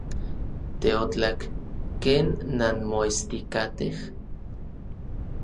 Teotlak. ¿Ken nanmoestikatej?